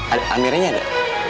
ada amiranya ada